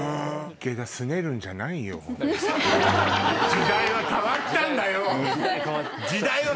時代は変わったんだよ。時代は。